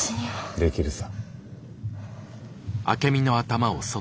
できるさ。